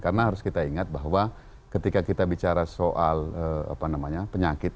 karena harus kita ingat bahwa ketika kita bicara soal penyakit